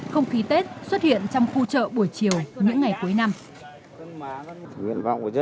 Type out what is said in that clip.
không khí tết xuất hiện trong khu chợ buổi chiều những ngày cuối năm